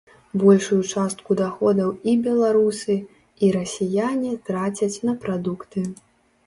Большую частку даходаў і беларусы, і расіяне трацяць на прадукты.